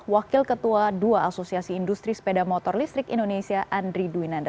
wakil ketua dua asosiasi industri sepeda motor listrik indonesia andri dwinanda